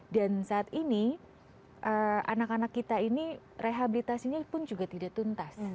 dan saat ini anak anak kita ini rehabilitasinya pun juga tidak tuntas